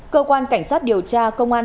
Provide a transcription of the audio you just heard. cơ quan cảnh sát điều tra công an